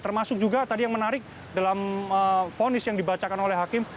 termasuk juga tadi yang menarik dalam fonis yang dibacakan oleh hakim